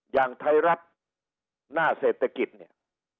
อย่างไทยรัฐหน้าเศรษฐกิจเนี่ย